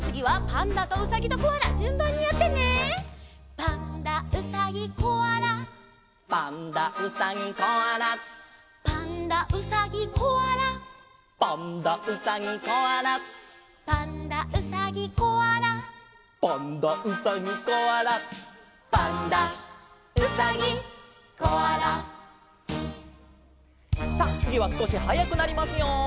「パンダうさぎコアラ」「パンダうさぎコアラ」「パンダうさぎコアラ」「パンダうさぎコアラ」「パンダうさぎコアラ」「パンダうさぎコアラ」「パンダうさぎコアラ」さあつぎはすこしはやくなりますよ！